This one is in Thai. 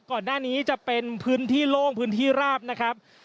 ก่อนหน้านี้จะเป็นพื้นที่โล่งพื้นที่ราบนะครับ